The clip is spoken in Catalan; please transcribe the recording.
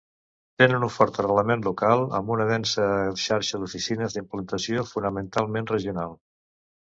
Tenen un fort arrelament local, amb una densa xarxa d'oficines d'implantació fonamentalment regional.